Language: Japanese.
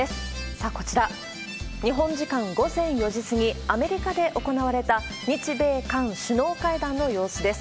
さあ、こちら、日本時間午前４時過ぎ、アメリカで行われた日米韓首脳会談の様子です。